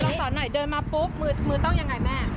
สอนหน่อยเดินมาปุ๊บมือต้องยังไงแม่